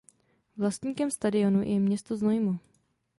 Vlastníkem stadionu je město Znojmo.